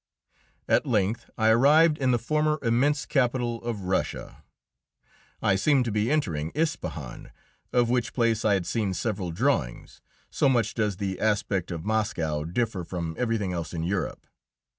At length I arrived in the former immense capital of Russia. I seemed to be entering Ispahan, of which place I had seen several drawings, so much does the aspect of Moscow differ from everything else in Europe.